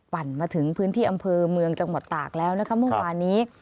ปั่นมาถึงพื้นที่อำเภอเมืองจังหวัดตากแล้วนะคะเมื่อวานนี้